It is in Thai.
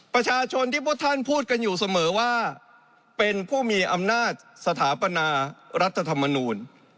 ประชาชนที่พวกท่านพูดกันอยู่เสมอว่าเป็นผู้มีอำนาจสถาปนารัฐธรรมนูล